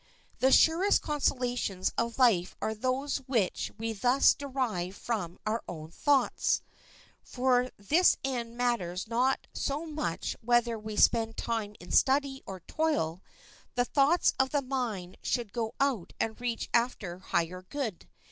The surest consolations of life are those which we thus derive from our own thoughts. For this end it matters not so much whether we spend time in study or toil; the thoughts of the mind should go out and reach after higher good.